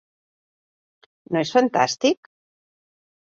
No és fantàstic?